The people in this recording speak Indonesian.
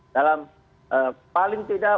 dalam paling tidak